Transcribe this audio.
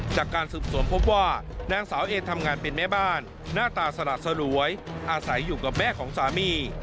จากการสืบสวนพบว่านางสาวเอทำงานเป็นแม่บ้านหน้าตาสละสลวยอาศัยอยู่กับแม่ของสามี